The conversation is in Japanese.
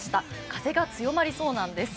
風が強まりそうなんです。